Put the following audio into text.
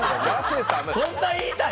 そんな言いたい？